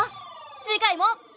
次回も。